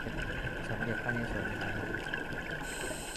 และสมเด็จพระนเรศวรมหาราช